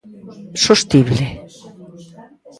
¿Sostible?